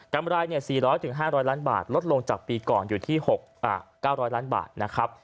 ราย๔๐๐๕๐๐ล้านบาทลดลงจากปีก่อนอยู่ที่๙๐๐ล้านบาทนะครับ